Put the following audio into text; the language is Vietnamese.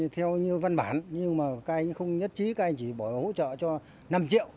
theo như văn bản nhưng mà các anh không nhất trí các anh chỉ bổ hỗ trợ cho năm triệu